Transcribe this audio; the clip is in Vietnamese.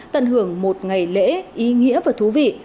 tận hưởng một ngày lễ ý nghĩa và thú vị